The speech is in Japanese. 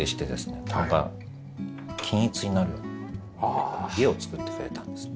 ここが均一になるように家を作ってくれたんですね。